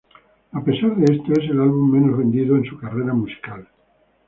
A pesar de esto es el álbum menos vendido en su carrera musical.